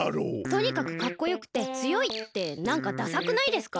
「とにかくかっこよくてつよい」ってなんかダサくないですか？